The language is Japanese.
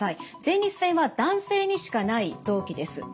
前立腺は男性にしかない臓器です。